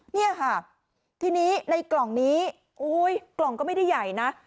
เนี่ยค่ะทีนี้ในกล่องนี้กล่องก็ไม่ได้ใหญ่นะ